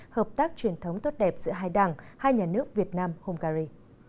hợp tác truyền thống tốt đẹp giữa hai đảng hai nhà nước việt nam hungary